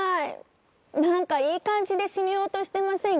何かいい感じで締めようとしてませんか？